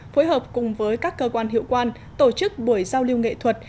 phối hợp cùng với các cơ quan hiệu quan tổ chức buổi giao lưu nghệ thuật